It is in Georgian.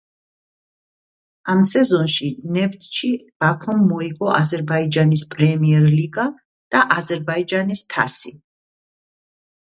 ამ სეზონში ნეფთჩი ბაქომ მოიგო აზერბაიჯანის პრემიერ ლიგა და აზერბაიჯანის თასი.